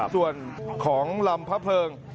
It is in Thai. ส่วนของลำพระเพลิง